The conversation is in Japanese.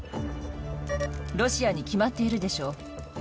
ロシアに決まってるでしょう。